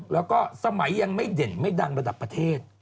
แล้วก็สมัยยังไม่เด่นไม่ดังระดับประเทศ